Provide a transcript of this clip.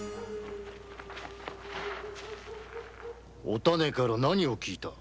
お種から何を聞いた？